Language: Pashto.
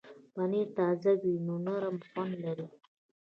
پنېر تازه وي نو نرم خوند لري.